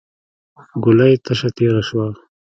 ګولۍ تشه تېره شوه.